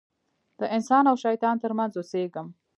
د انسان او شیطان تر منځ اوسېږم.